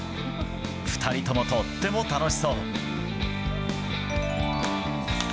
２人ともとっても楽しそう。